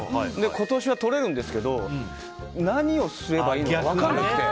今年は取れるんですけど何をすればいいのか分かんなくて。